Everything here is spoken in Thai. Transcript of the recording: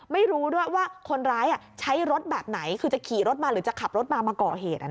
ไม่รู้ด้วยว่าคนร้ายใช้รถแบบไหนคือจะขี่รถมาหรือจะขับรถมามาก่อเหตุ